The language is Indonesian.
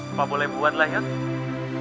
apa boleh buat lah ya